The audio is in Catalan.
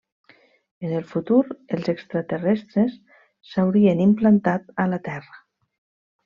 En el futur, els extraterrestres s'haurien implantat a la Terra.